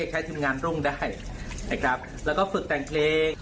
ใช้ทีมงานได้แล้วก็ฝึกแต่งเพลง